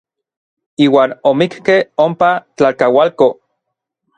Iuan omikkej ompa tlalkaualko.